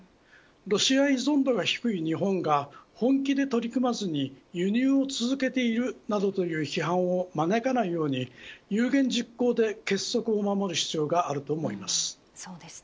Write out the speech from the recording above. ロシア依存度が低い日本が本気で取り組まずに輸入を続けているなどという批判を招かないように有言実行で結束を守る必要があると思います。